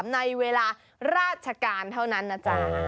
ในเวลาราชการเท่านั้นนะจ๊ะ